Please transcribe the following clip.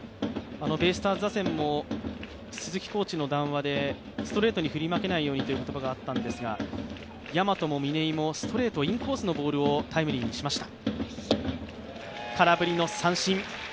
ベイスターズ打線も鈴木コーチの談話で、ストレートに振り負けないようにという言葉があったんですが大和も嶺井もストレート、インコースのボールをタイムリーにしました。